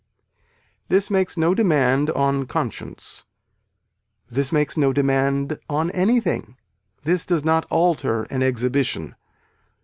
This makes no demand on conscience, this makes no demand on anything, this does not alter an exhibition.